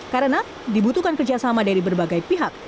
karena dibutuhkan kerjasama dari berbagai pihak